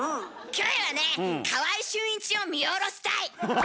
キョエはね川合俊一を見下ろしたい。